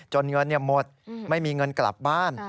เงินหมดไม่มีเงินกลับบ้าน